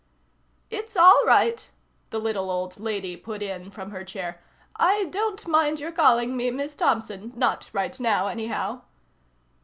"It's all right," the little old lady put in from her chair. "I don't mind your calling me Miss Thompson, not right now, anyhow."